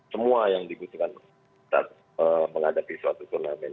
semua yang dibutuhkan saat menghadapi suatu turnamen